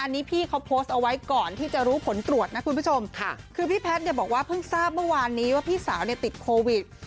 อันนี้พี่เขาโพสต์เอาไว้ก่อนที่จะรู้ผลตรวจนะคุณผู้ชมค่ะคือพี่แพทย์เนี่ยบอกว่าเพิ่งทราบเมื่อวานนี้ว่าพี่สาวเนี่ยติดโควิด